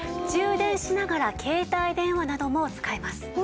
充電しながら携帯電話なども使えます。